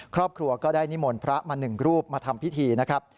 ครอบครัวก็ได้นิมนต์พระมา๑รูปมาทำพิธีนะครับ